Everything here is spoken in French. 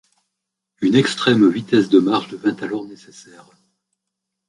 Une extrême vitesse de marche devint alors nécessaire.